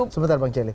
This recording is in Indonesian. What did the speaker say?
sebentar bang celi